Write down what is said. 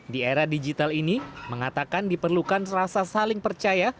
di era digital ini mengatakan diperlukan rasa saling percaya